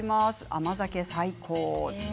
甘酒最高。